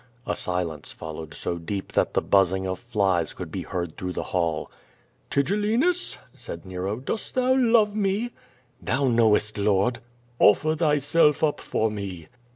A silence followed so deep that the buzzing of flies could be heard lli rough the hall. "Tigellinus!" said Nero, "dost thou love me?" "Thou knowest. Lord." "Offer thyself up for me."